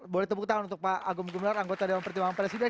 boleh tepuk tangan untuk pak agung gumelar anggota dewan pertimbangan presiden